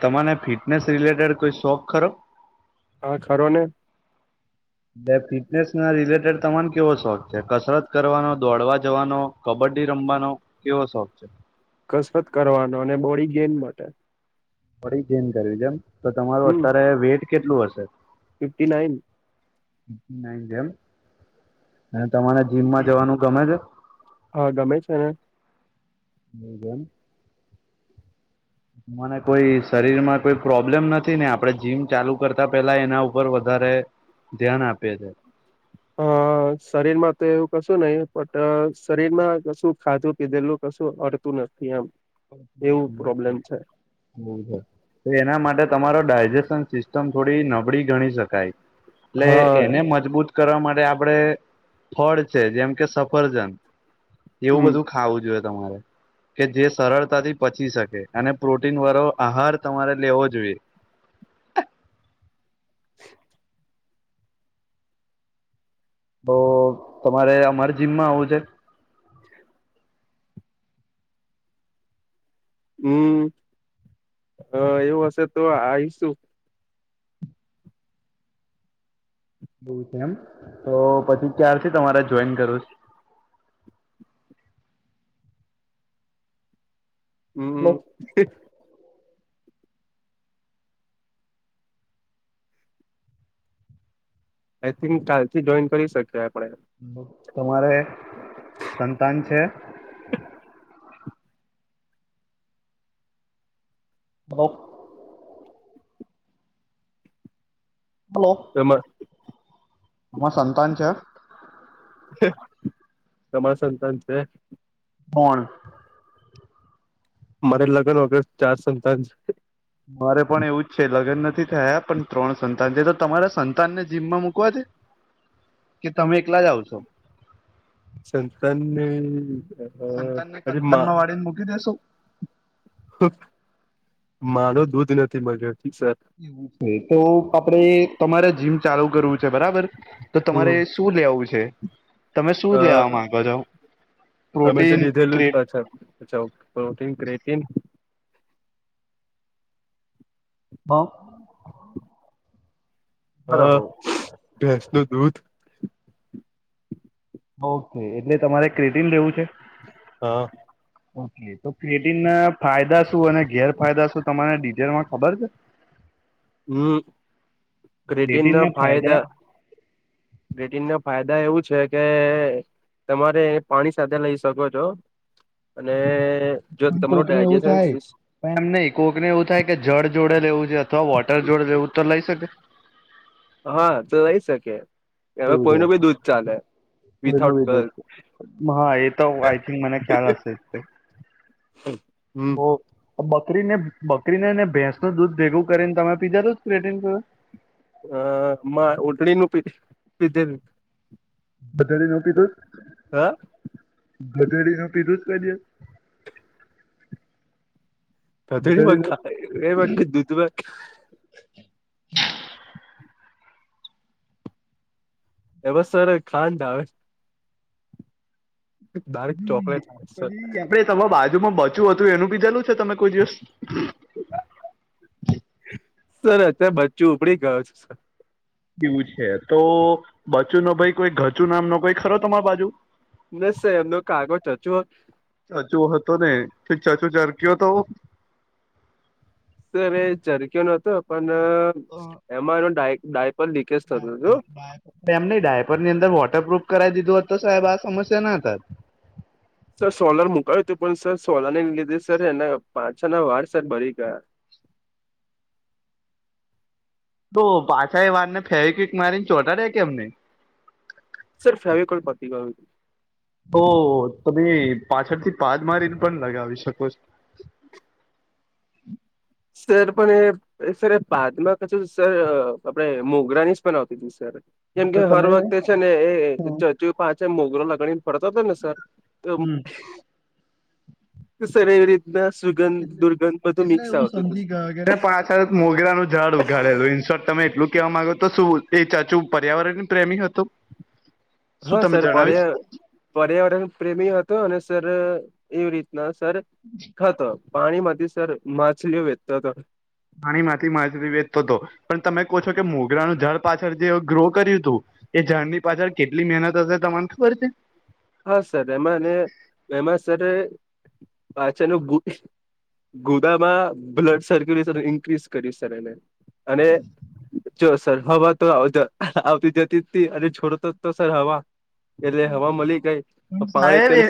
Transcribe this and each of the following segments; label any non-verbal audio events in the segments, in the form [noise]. તમાને fitness related કોઈ શોખ ખરો? હા ખરો ને. એલે ફિટનેસ ના રિલેટેડ તમાને કેવો શોખ છે કસરત કરવાનો દોડવા જવાનો. કબડ્ડી રમવાનો કેવો શોખ છે. કસરત કરવાનો અને બોડી ગેન માટે. બોડી ગેન કરવી જેમ તો તમારું હમ અત્યારે વેઇટ કેટલું હશે? Fifty nine. જેમ અને તમારે જીમમાં જવાનું ગમે છે? હા ગમે છે ને. [unintelligible] મને કોઈ શરીરમાં કોઈ પ્રોબ્લેમ નથી ને આપડણે જીમ ચાલુ કરતા પેલા એના ઉપર વધારે ધ્યાન આપે છે. હ શરીર માં તો એવું કશું નહીિ પણ શરીર માં કશું ખાધું પીધેલું કશું. તુ નથી આમ. [unintelligible] બવ અ તો એના માટે તમારો ડાયજેશન સિસ્ટમ થોડી નબળી ગણી શકાય. લે હા એને મજબૂત કરવા માટે આપળે ફળ છે જેમ કે સફરજન જેવું હમ બધું ખાવું જોયે તમારે કે જે સરળતાથી પચી શકે અને પ્રોટીન વારો આહાર તમારે લેવો જોયે. [inaudible] અ તમારે અમાર જીમમાં આવું છે? હમ્મ હ એવું હશે તો આઈશું. હં એમ તો પછી ક્યારથી તમારે જોઈન કરવુ સ? છે? હ [unintelligible] આઈ થિંક કાલથી જોઈન કરી શકે આપળે. મ તમારે સંતાન છે? બોલો બોલો એમાં ત્માર સંતાન છે? તમાર સંતાન છે? ભણ મારે લગન વગર ચાર સંતાન છ. મારે પણ એવું જ છે લગન નથી થયા પણ ત્રણ સંતાન છે તો તમારા સંતાનને જીમમાં મુૂકવા છે? કે તમે એકલા જ આવશો? સંતાનને ઈ સંતાન ને કંતાન માં વાળી ન મૂકી દેસો? હં મારો દૂધ નથી બજેટ સર હુ તો આપડે તમારે જીમ ચાલુ કરવું છે બરાબર તો હમ તમારે સ તુ લેવું છે તમે શું અ લેવા માંગો છો પ્રોટીન થ્રે સર. સવ પ્રોટીન ક્રેટીન બઉ. હં ભેંસ નુ દૂધ. ઓકે એટલે તમારે ક્રેટિન લેવું છે? હ. ઓકે. એ તો પ્રેટીન ના ફાયદા શું અને ગેરફાયદા શું તમાને ડીટેલમાં ખબર છે? [inaudible] હમ ક્રેટીન ના ફાયદા ડ્રેટીન ના ફાયદા એવું છે કે તમારે પાણી સાથે લઈ શકો છો. અને જો પણ તમરો કોકને એવું ડાયજેશન થાય સ્વીસ પણ એમ નહીં કોક ને એવું થાય કે જળ જોડે લેવું છે અથવા વોટર જોડે લેવું તો લઈ શકે? હ તો લઈ શકે હવે કોઈ નુ ભી દૂધ ચાલે. વિથઆઉટ બનાવી દે ગર્લ્સ છે મ હા એ તો આઈ થિંક મને ખ્યાલ હશે જ અ હમ બો બકરી ને બકરીને ને ભેંસ નું દૂધ ભેગું કરીન તમે પીજા જો પ્રેટીન જોળે. અ માં ઉટળી નું પી પીધેલ. ગધેડી નુ પીધુ? હા ગધેડીનું પીધું સ કો દિસ? ગધેડી મ ખા એ મ દુદ દુધમાં એ બસ સર ખાંડ આવે બારીક ચોકલેટ સર અ તમા બાજુમાં બચ્યું હતું એનું બીધાલું છે તમે કોઈ દિવસ સર અત્યારે બચ્ચું ઉપડી ગયો છે સર એવું છે તો બચું નો ભાઈ કોઈ ગચુ નામ ન કોઈ ખરો તમાર બાજુ ના સાહે એમનો કાગો જ હચુ ચાચો હતો ને પણ ચાચો ચાર કયો હતો અરે ઝરક્યો ન હતો પણ એમાં એનો ડાયટ ડાયટ એમ નહી ડાયપર ની અંદર વોટરપ્રુફ કરાવી દીધું હતું તો સાહેબ આ સમસ્યા ના હતા સર સોલર મુકાય્યું તું પણ સર સોલાર લીધે સર એના પાછા ના વાર સર ભરી ગયા તો પાછા એ વારને ફેવી કિક મારીને ચોટાડે કેમ એમ નઈ સર ફેવી કોલ પતી ગયું ઓ તમે પાછળથી પાદ મારીને પણ લગાવી શકો છો સર પણ એ સર પાદમાં કસુ સર આપડે મોગરા ની જ પણ આવતી તું સર કેમ હા કે તો હર તમે વખતે છે ને એ હમ. ચચુ પાચ મોગરો લાગડી ફરતો હતો ને સર તમ સર એવી રીતના સુગંધ એટલે દુર્ગંધ બધું એટલે મિક્સ હું આવે સમજી ગયોને પણ આ સાથે મોગરાનું ઝાડ ઉઘાડે હતું ઇન શોર્ટ તમે એટલું કેવા માંગો તો શું એ ચાચું પર્યાવરણ પ્રેમી હતું હા સર પર્યા પર્યાવરણ પ્રેમી હતો અને સર એવી રીતના સર જ ખા તો પાણી માંથી સર માછલીઓ વેચ તા તા પાણીમાંથી માછલી વેચતો હતો પણ તમે કહો છો કે મોગરાનું જળ પાછળ જે ગ્રો કર્યું હતું એ ઝાડની પાછળ કેટલી મહેનત હશે તમને ખબર છે હા સર એમાં અને એમાં સર પાચાનું ગોદામાં બ્લડ સર્ક્યુલેશન ઇન્ક્રીઝ કરી સર એને અને જો સર હવા તો આવતી જતી હતી અને છોડો તો તો સર હવા એટલે હવા માલી સાહેબ એ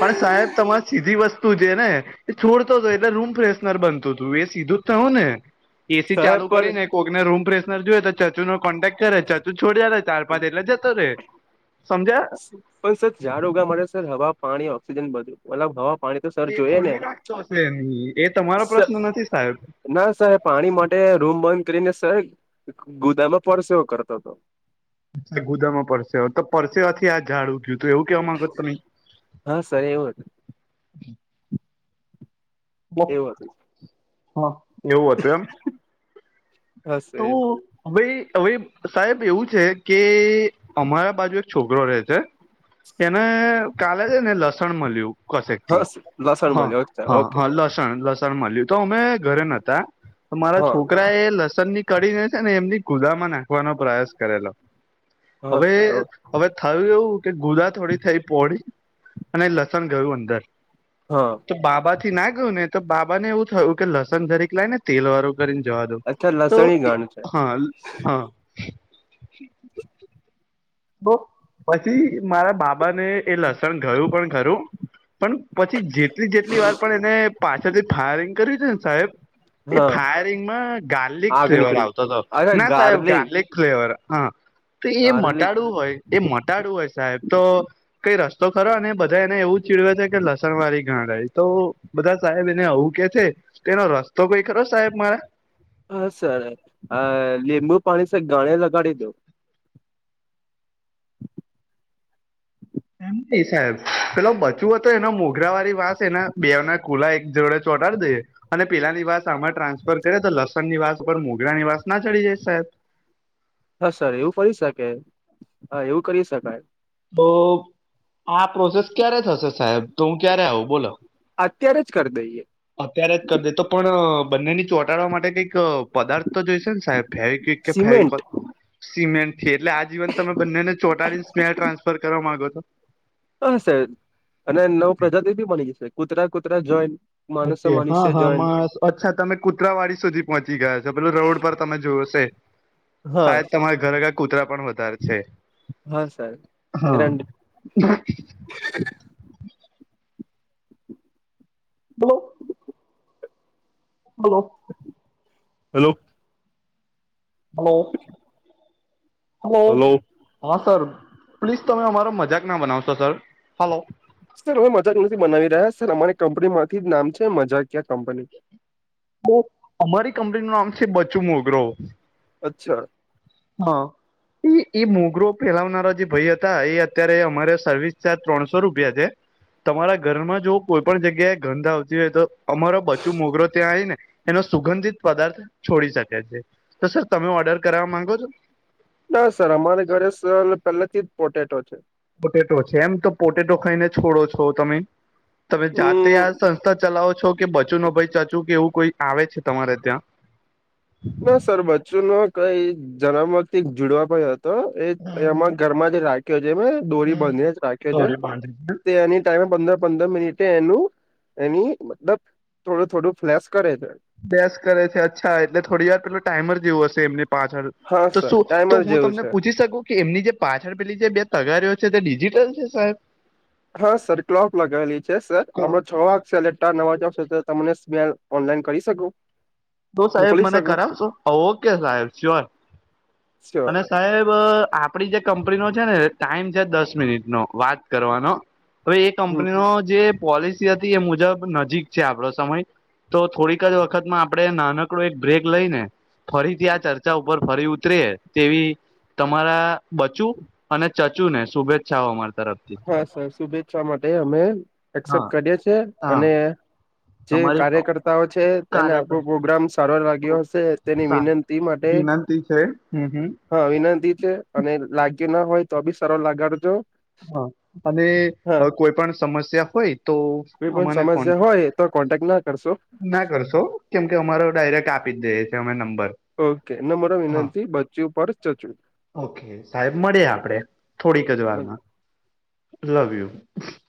પણ સાહેબ તમારે સીધી વસ્તુ છે ને એ છોડતો હતો એટલે રૂમ ફ્રેશનર બનતું હતું એ સીધું જયુ ને એસી સાહેબ ચાલુ પણ કરી ને કોઈકને રૂમ ફ્રેશનર જોયો તો ચાચુ નો કોન્ટેક્ટ કરે ચાચુ છોડ્યા રે ચાર પાંચ એટલે જતો રે સમજ્યા પણ સર ઝાડ ઉગાડવા માટે સર હવા પાણી ઓક્સિજન બધું મતલબ હવા પાણી તો સર તે જોઈએ ને ખુલ્લી રાખતો હશે એ તમારો સર પ્રશ્ન નથી સાહેબ ના સાહેબ પાણી માટે રૂમ બંધ કરીને સાહેબ ગુદામાં પરડસે એવો કરતો હતો ગુદામાં પરસે તો પરસેવાથી આ ઝાડ ઉ ગયુ હતું એવું કેવા માંગો તો હા સર એવું હતું જ એવું હતું હા એવું હતું એમ હા સર તો એવું હ ભાઈ હ સાહેબ એવું છે કે અમારા બાજુ એક છોકરો રહે છે એને કાલે છે ને લસણ મળ્યું કસેક થી હા લસણ હા મળ્યો હા ઓકે હા લસ ન લસણ માલ્યું તો અમે ઘરે નતા મારા હા છોકરા એ લસણ ની કડીને છે ને એમની કુઝામાં નાખવાનો પ્રયાસ કરેલો હા હવે સર હવે થયું એવું કે ગુદા થોડી થઈ પોળી અને લસણ ગયું અંદર હા તો બાબા થી ના ગયું ને તો બાબા ને એવું થયું કે લસણ જરીક લાવ ને તેલ વાળું કરીને જવા દઉ અચ્છા તો લસણી ગણ છે હા હા તો પછી મારા બાબાને એ લસણ ગયું પણ ખરું પણ પછી જેટલી જેટલી વાર પણ એને પાછાથી ફાયરિંગ કર્યું છે ને સાહેબ એ હા ફાયરિંગમાં ગાર્લિક આગ ફ્લેવર નીકળી આવતો હતો ના સાહેબ ગાર્લિક ફ્લેવર હા એ મન ગાર્લિક હોય, એ મટાડું હોય સાહેબ તો કઈ રસ્તો ખરો ને બધા એને એવુ ચીડવા છે. કે લસણ મારી ઘાઈ તો બધા સાહેબ એને આવવું કે છે. એનો રસ્તો કઈ ખરો સાહેબ મારા હા, સર લીંબુ પાણી સર ગાણે લગાડી દો એમ નહી, સાહેબ પેલો બચવ હતો એનો મોઘરા વાળી વાંસ એના બે ના કુલા એક જોડે ચોટાડી દઈએ અને પેલાની વાત આમાં ટ્રાન્સફર કરે તો લસણ ની વાસ ઉપર મોગરા ની વાસ ના ચડી જાય સાહેબ હા, સર એવું કરી શકે હા એવું કરી શકાય તો આ પ્રોસેસ ક્યારે થશે સાહેબ તો હું ક્યારે આવું બોલો અત્યારે જ કરી દઈએ અત્યારે જ કરી દે તો પણ બંનેની ચોટાડવા માટે કંઈક પદાર્થો જોઈશે ને સાહેબ ફેવિકિક કે ફેવિક સિમેન્ટ સિમેન્ટ એટલે આ જીવન તમે બંનેને ચોટાળ મેલ ટ્રાન્સફર કરવા માંગો છ. હશે અને નવ પ્રજાતિ બી મળી જશે કૂતરા કૂતરા જોઈન માણસો ઓકે હા મનુષ્ય હા જોઈન મા અચ્છા તમે કુતરાવાડી સુધી પહોંચી ગયા છો પેલો રોડ પર તમે જોશે હા સાાયદ સર તમારા ઘરે ઘર કૂતરા પણ વધારે છે. હા સર રંડ હા હ બહુ બલો હેલો હલો હલો હા સર પ્લીઝ તમે અમારો મજાક ના બનાવશો સર હાલલો સર અમે મજાક નથી બનાવી રહ્યા સર અમારી કંપની માંથી નામ છે. મજાકયા કંપની તો અમારી કંપની નું નામ છે બચું મોગ્રો અચ્છા હા એ એ મોગ્રો ફેલાવનારા જે ભાઈ હતા એ અત્યારે અમારે સર્વિસ ચાર્જ ત્રણસો રૂપિયા છે. તમારા ઘરમાં જો કોઈ પણ જગ્યાએ ગંધ આવતી હોય, તો અમારો બચું મોગરો ત્યાં આવીને એનો સુગંધિત પદાર્થ છોડી શકે છે તો સર તમે ઓર્ડર કરવા માંગો છો. ના સર અમારે ઘરે સર પહેલે થી જ પોટેટો છે. પોટેટો છે, એમ તો પોટેટો ખાઈને છોડો છો તમે તમે જાતે હમ આ સંસ્થા ચલાવો છો કે બચો ન ભાઈ ચચું કે એવું કોઈ આવે છે, તમારે ત્યાં ના સર બચ્ચુ ન કઈ જન્મ વથી જુડવા પણ હતો એ હમ એમાં ઘરમાં જે રાખ્યો છે. એ દોરી હમ બંધીને જ રાખ્યો છે. દોરે બાંધે છે તે એની ટાઈમે પંદર પંદર મિનિટે એનું એની મતલબ થોડું થોડું ફ્લેસ કરે છે. અભ્યાસ કરે છે અચ્છા એટલે થોડી વાર પેલોું ટાઈમર જેવું હશે એમની પાંચ વાળ હા તો સર શું તો ટાઈમર હું જેવું તમને છે પૂછી શકું કે એમની જે પાછળ પેલી જે બે તગારીઓ છે, તે ડિજિટલ છે. સાહેબ હા સર ક્લોપ લગાવેલી છે. સર હમ છ આંખ સેલેટ નવા જશે તો તને ઓનલાઈન કરી શકો તો સાહેબ મને કરાવો ઓકે સાહેબ સ્યોર સ્યોર અને સાહેબ આપડી જે કંપની નો છે ને ટાઈમ છે દસ મિનિટ નો વાત કરવાનો હવે એ હમ, કંપની ન જે પોલિસી હતી એ મુજબ નજીક છે. આપડો સમય તો થોડીક જ વખતમાં આપડે નાનકડો એક બ્રેક લઈ ને ફરીથી આ ચર્ચા ઉપર ફરી ઉતરે. તેવી તમારા બચું અને ચચુંને શુભેચ્છાઓ મળતી હા, સર શુભેચ્છા માટે અમે હા એક્સેપ્ટ કયૉ છીએ. હા અને જે તમારી કાર્યકર્તાઓ છે. એને આપો કાર્યકર પ્રોગ્રામ સારવાર લાગ્યો હશે. તેની વિનંતી માટે વિનંતી છે હમ હમ હા, વિનંતી છે અને લાગ્યું ન હોય તો બી સરળ લગાડજો. હા. અને હા કોઈ પણ સમસ્યા હોય તો કોઈ પણ અમાને કો સમસ્યા હોય તો કોન્ટેક્ટ ના કરશો. ના કરશો કેમ કે અમારો ડાયરેક્ટ આપી જ દેએ છે અમે નંબર. ઓકે. એને મારો હા વિનંતી બચ્ચી ઉપ ચચ ઓકે. સાહેબ મળીએ આપણે થોડીક જ વારમાં લવયુ.